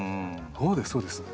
そうですそうです。